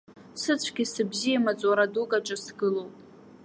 Сыцәгьа-сыбзиа маҵура дук аҿы сгылоуп.